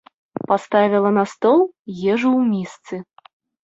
Паставіла на стол ежу ў місцы.